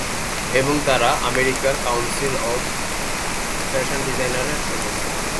এবং তারা আমেরিকার কাউন্সিল অব ফ্যাশন ডিজাইনার এর সদস্য।